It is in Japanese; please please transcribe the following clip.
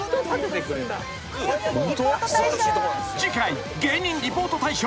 ［次回芸人リポート大賞］